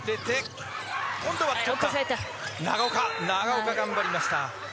長岡、頑張りました。